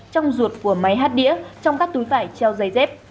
trong ruột của máy hát đĩa trong các túi vải treo giấy dép